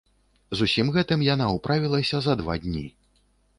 З усім гэтым яна ўправілася за два дні.